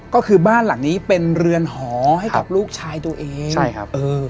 ก็คือบ้านหลังนี้เป็นเรือนหอให้กับลูกชายตัวเองใช่ครับเออ